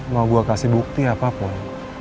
mau gue kasih bukti apapun